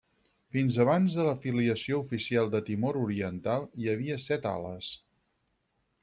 Fins abans de la filiació oficial de Timor Oriental, hi havia set ales.